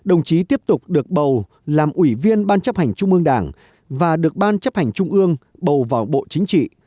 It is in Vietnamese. đồng chí tiếp tục được bầu làm ủy viên ban chấp hành trung ương đảng và được ban chấp hành trung ương bầu vào bộ chính trị